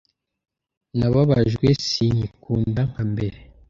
nababajwe sinkikunda nka mbere